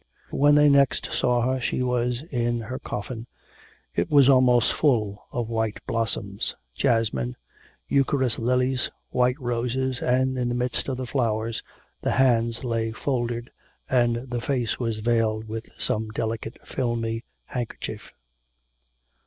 When they next saw her she was in her coffin. It was almost full of white blossoms jasmine, Eucharis lilies, white roses, and in the midst of the flowers the hands lay folded, and the face was veiled with some delicate, filmy handkerchief.